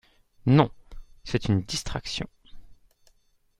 Non ; c'est une distraction.